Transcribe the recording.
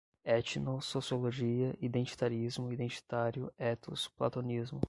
Etnosociologia, identitarismo, identitário, ethos, platonismo